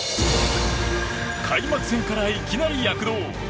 開幕戦から、いきなり躍動！